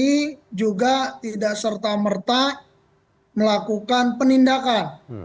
kami juga tidak serta merta melakukan penindakan